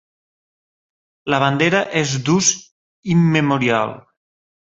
La bandera és d'ús immemorial.